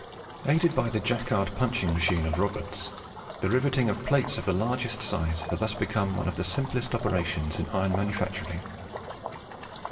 Aided by the Jacquard punching machine of Roberts, the riveting of plates of the largest size has thus become one of the simplest operations in iron manufacturing.